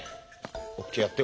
ＯＫやっ